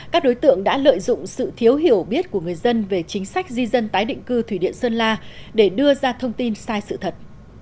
các đối tượng đã lợi dụng sự thiếu hiểu biết của người dân về chính sách di dân tái định cư thủy điện sơn la để đưa ra thông tin sai sự thật